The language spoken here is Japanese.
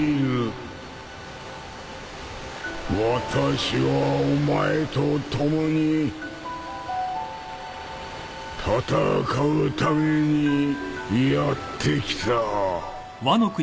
私はお前と共に戦うためにやって来た。